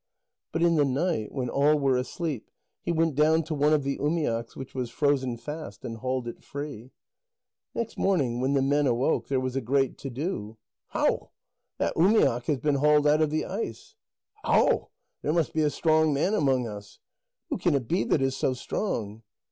But in the night, when all were asleep, he went down to one of the umiaks, which was frozen fast, and hauled it free. Next morning when the men awoke, there was a great to do. "Hau! That umiak has been hauled out of the ice!" "Hau! There must be a strong man among us!" "Who can it be that is so strong?"